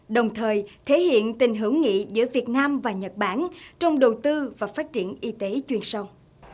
đồng thời thể hiện tình hữu nghị giữa việt nam và nhật bản trong đầu tư và phát triển y tế chuyên sâu